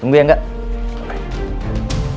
dan bisa menangkan akun roy